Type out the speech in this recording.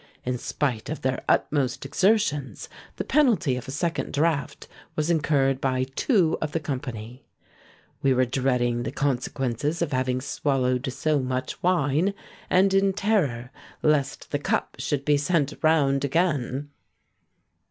In spite of their utmost exertions, the penalty of a second draught was incurred by two of the company; we were dreading the consequences of having swallowed so much wine, and in terror lest the cup should be sent round again."